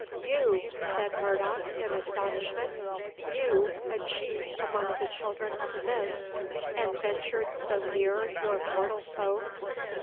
"You!" said Murdoch, in astonishment, "you, a chief among the Children of the Mist, and ventured so near your mortal foe?"